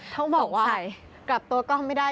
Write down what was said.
ถ้ากลับโต๊ะกล้องไม่ได้